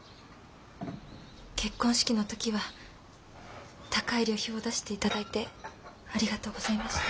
結婚式の時は高い旅費を出して頂いてありがとうございました。